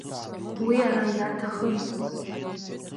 Уи ара иаҭахымызт.